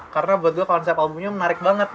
karena buat gue konsep albumnya menarik banget